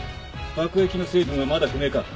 爆液の成分はまだ不明か？